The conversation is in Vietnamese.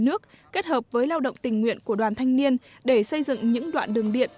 nước kết hợp với lao động tình nguyện của đoàn thanh niên để xây dựng những đoạn đường điện